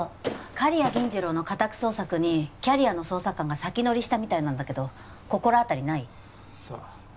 刈谷銀次郎の家宅捜索にキャリアの捜査官が先乗りしたみたいなんだけど心当たりない？さあ。